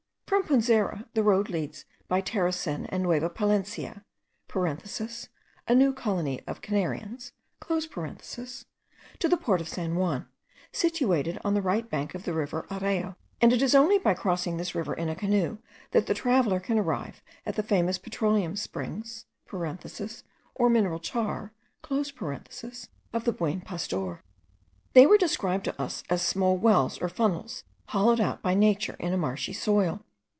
From Punzera the road leads by Terecin and Nueva Palencia, (a new colony of Canarians,) to the port of San Juan, situated on the right bank of the river Areo; and it is only by crossing this river in a canoe, that the traveller can arrive at the famous petroleum springs (or mineral tar) of the Buen Pastor. They were described to us as small wells or funnels, hollowed out by nature in a marshy soil.